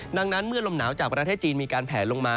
ดังนั้นเมื่อลมหนาวจากประเทศจีนมีการแผลลงมา